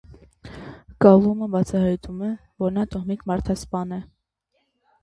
Կալումը բացահայտում է, որ նա տոհմիկ մարդասպան է։